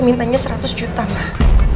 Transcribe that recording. mintanya seratus juta mah